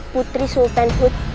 putri sultan hud